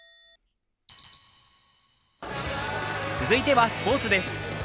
続いてはスポーツです。